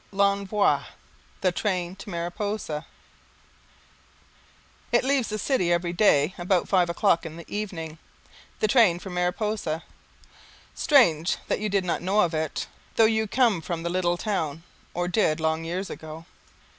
L'Envoi. The Train to Mariposa It leaves the city every day about five o'clock in the evening, the train for Mariposa. Strange that you did not know of it, though you come from the little town or did, long years ago.